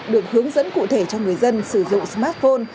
được hướng dẫn cụ thể cho người dân sử dụng smartphone